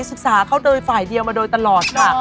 ศึกษาเขาโดยฝ่ายเดียวมาโดยตลอดค่ะ